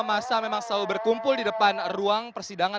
masa memang selalu berkumpul di depan ruang persidangan